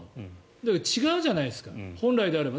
だけど違うじゃないですか本来であれば。